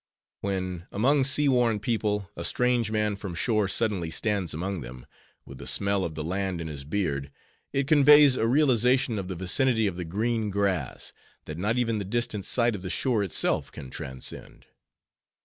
When, among sea worn people, a strange man from shore suddenly stands among them, with the smell of the land in his beard, it conveys a realization of the vicinity of the green grass, that not even the distant sight of the shore itself can transcend.